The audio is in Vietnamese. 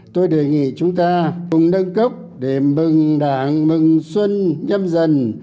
tôi đề nghị chúng ta cùng nâng cốc để mừng đảng mừng xuân nhâm dần